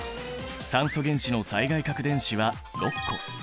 酸素原子の最外殻電子は６個。